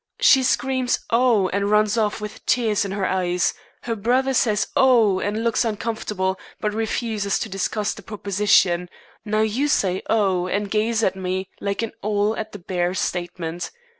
She screams 'Oh!' and runs off with tears in her eyes. Her brother says 'Oh!' and looks uncomfortable, but refuses to discuss the proposition. Now you say 'Oh!' and gaze at me like an owl at the bare statement.